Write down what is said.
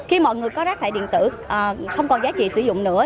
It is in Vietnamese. khi mọi người có rác thải điện tử không còn giá trị sử dụng nữa